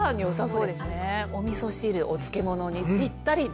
おみそ汁お漬物にピッタリで。